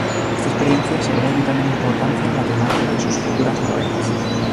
Esta experiencia será de vital importancia en la temática de su futuras novelas.